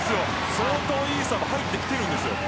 相当いいアタック入ってきてるんです。